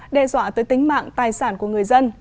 đe dọa tới tính mạng tài sản của người dân